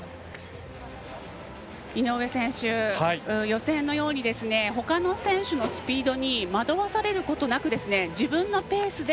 井上選手、予選のようにほかの選手のスピードに惑わされることなく自分のペースで